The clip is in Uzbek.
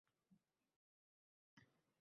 Ayollar o'yini